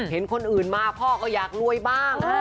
เห็นคนอื่นมาพ่อก็อยากรวยบ้าง